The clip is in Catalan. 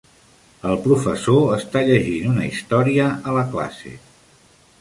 El professor està llegint una història a la classe